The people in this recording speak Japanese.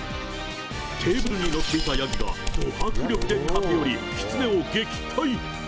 テーブルに乗っていたヤギが、ど迫力で駆け寄り、キツネを撃退。